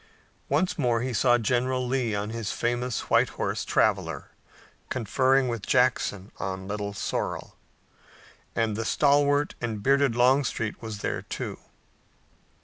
Once more he saw General Lee on his famous white horse, Traveler, conferring with Jackson on Little Sorrel. And the stalwart and bearded Longstreet was there, too.